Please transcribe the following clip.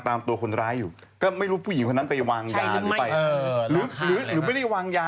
กลัวว่าผมจะต้องไปพูดให้ปากคำกับตำรวจยังไง